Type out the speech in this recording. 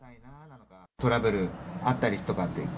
トラブルあったりとかって？